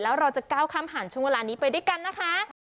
แล้วเราจะก้าวข้ามผ่านช่วงเวลานี้ไปด้วยกันนะคะ